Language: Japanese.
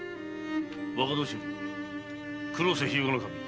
若年寄・黒瀬日向守。